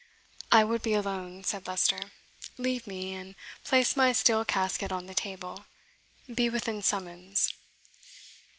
"I would be alone," said Leicester. "Leave me, and place my steel casket on the table. Be within summons."